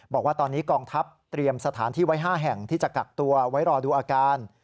บอกว่าตอนนี้กองทัพเตรียมสถานที่ไว้๕แห่งที่จะกักตัวไว้รอดูอาการ